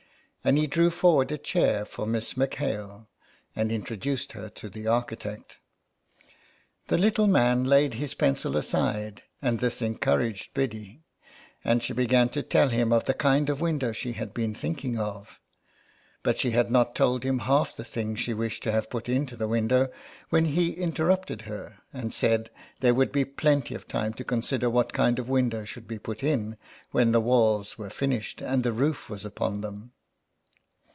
And he drew forward a chair for Miss M'Hale, and introduced her to the architect. The little man laid his pencil aside, and this encouraged Biddy, and she began to tell him of the kind of window she had been thinking of But she had not told him half the things she wished to have put into the window when he interrupted her, and said there would be plenty of time to consider what kind of window should be put in when the walls were finished and the roof was upon them.